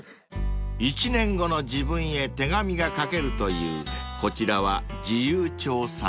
［１年後の自分へ手紙が書けるというこちらは自由丁さん］